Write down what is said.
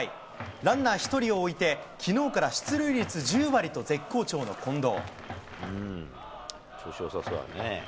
ランナー１人を置いて、きのうから出塁率１０割と絶好調の近藤。